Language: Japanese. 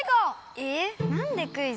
えなんでクイズ？